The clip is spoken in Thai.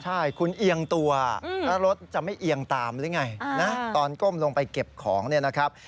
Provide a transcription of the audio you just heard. ใช่คุณเอียงตัวแล้วรถจะไม่เอียงตามหรือไงนะตอนก้มลงไปเก็บของเนี่ยนะครับ